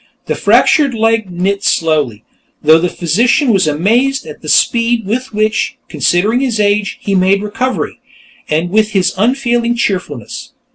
The fractured leg knit slowly, though the physician was amazed at the speed with which, considering his age, he made recovery, and with his unfailing cheerfulness.